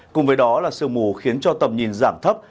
cùng với đó là sương mù khiến cho tầm nhìn giảm thấp